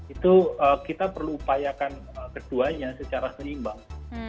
itu kita perlu upayakan keduanya secara seimbang